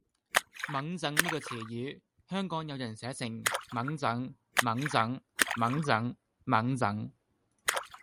𤷪𤺧 呢個詞語，香港有人寫成：忟憎，憫憎 ，𤷪𤺧，𢛴 憎